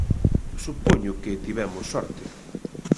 Supoño que tivemos sorte.